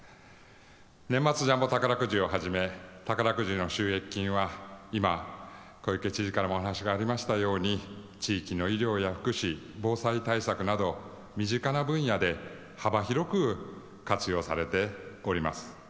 年末ジャンボ宝くじをはじめ宝くじの収益金は今、小池知事からも話がありましたように地域の医療や福祉、防災対策など身近な分野で幅広く活用されております。